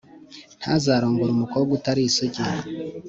Ntazarongore umukobwa uteri isugi